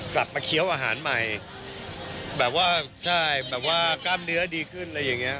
เคี้ยวอาหารใหม่แบบว่าใช่แบบว่ากล้ามเนื้อดีขึ้นอะไรอย่างเงี้